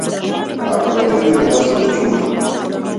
Ако не те видам наскоро ќе умрам.